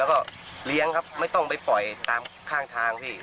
แล้วก็เลี้ยงครับไม่ต้องไปปล่อยตามข้างทางพี่